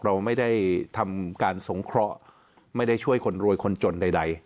เราไม่ได้ทำการสงเคราะห์ไม่ได้ช่วยคนรวยคนจนใด